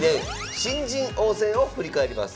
新人王戦を振り返ります。